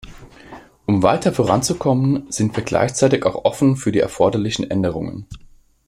Um weiter voranzukommen, sind wir gleichzeitig auch offen für die erforderlichen Änderungen.